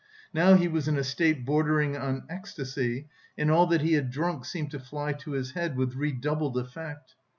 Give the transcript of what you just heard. Now he was in a state bordering on ecstasy, and all that he had drunk seemed to fly to his head with redoubled effect.